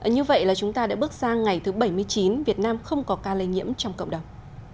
như vậy là chúng ta đã bước sang ngày thứ bảy mươi chín việt nam không có ca lây nhiễm trong cộng đồng